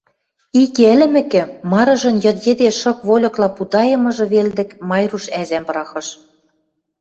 Ик и ӹлӹмӹкӹ, марыжын йыд йӹде шык вольыкла путайымыжы велдӹк Майруш ӓзӓм пырахыш.